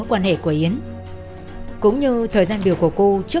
quê quán là diên linh